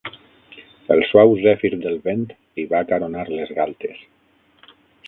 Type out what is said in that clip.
El suau zèfir del vent li va acaronar les galtes.